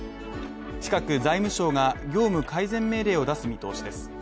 近く財務相が業務改善命令を出す見通しです。